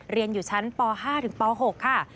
เรียนอยู่ชั้นป๕๖ค่ะ